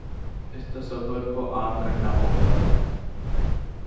اس تصور کو عام کرنا ہو گا۔